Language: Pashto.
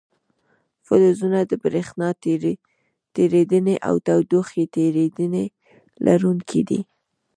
فلزونه د برېښنا تیریدنې او تودوخې تیریدنې لرونکي دي.